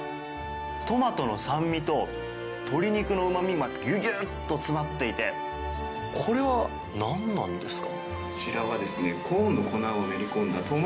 トマトの酸味と鶏肉のうまみがギュギュッと詰まっていてこちらは何なんですか？